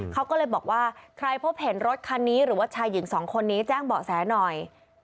เขาก็เลยบอกว่าใครพบเห็นรถคันนี้หรือว่าชายหญิงสองคนนี้แจ้งเบาะแสหน่อย